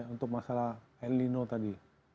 untuk masalah el nino tadi